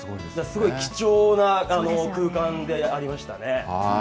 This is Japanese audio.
すごい貴重な空間でありましたね。